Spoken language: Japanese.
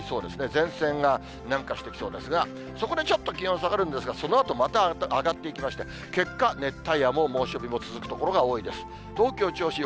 前線が南下してきそうですが、そこでちょっと気温下がるんですが、そのあとまた上がっていきまして、結果、熱帯夜も猛暑日も続く所が多いです。